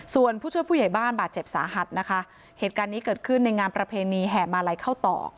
ส่วนผู้ช่วยผู้ใหญ่บ้านบาดเจ็บสาหัสนะคะเหตุการณ์นี้เกิดขึ้นในงานประเพณีแห่มาลัยเข้าตอก